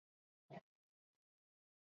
江西乡试第七十九名。